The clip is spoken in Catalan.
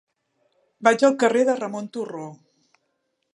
Vaig al carrer de Ramon Turró.